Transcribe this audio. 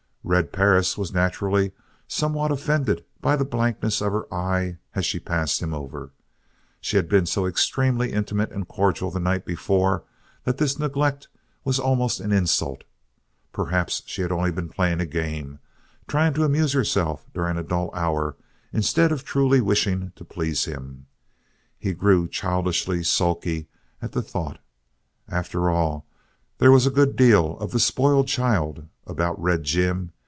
Red Perris was naturally somewhat offended by the blankness of her eye as she passed him over. She had been so extremely intimate and cordial the night before that this neglect was almost an insult. Perhaps she had only been playing a game trying to amuse herself during a dull hour instead of truly wishing to please him. He grew childishly sulky at the thought. After all, there was a good deal of the spoiled child about Red Jim.